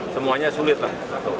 semuanya sulit lah